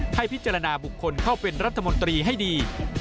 ให้พิจารณาบุคคลเข้าเป็นรัฐมนตรีให้ดี